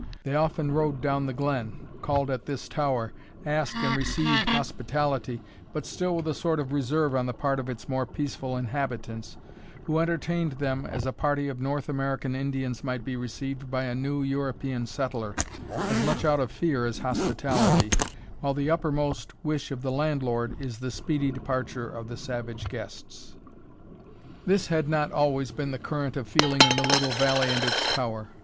They often rode down the glen called at this tower asked and received hospitality but still with a sort of reserve on the part of its more peaceful inhabitants, who entertained them as a party of North American Indians might be received by a new European settler, as much out of fear as hospitality, while the uppermost wish of the landlord is the speedy departure of the savage guests. This had not always been the current of feeling in the little valley and its tower.